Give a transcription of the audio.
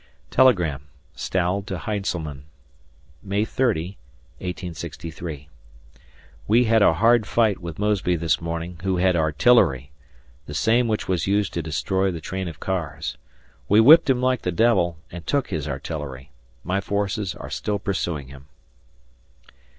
] [Telegram, Stahel to Heintzelman] May 30, 1863. We had a hard fight with Mosby this morning, who had artillery, the same which was used to destroy the train of cars. We whipped him like the devil, and took his artillery. My forces are still pursuing him.